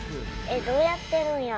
えっどうやってるんや。